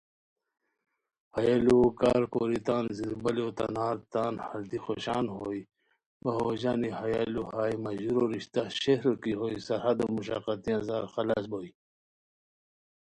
ہیہ لُوؤ کارکوری تان زیربالیو تنارتان ہردی خوشان ہوئے، وا ہو ژانی ہیہ لُو ہائے مہ ژورو رشتہ شہرو کی بوئے سرحدو مشقتیان سار خلص بوئے